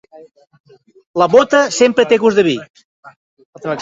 La bota sempre té gust de vi.